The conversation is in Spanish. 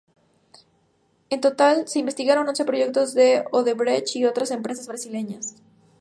En total se investigaron once proyectos de Odebrecht y otras empresas brasileñas.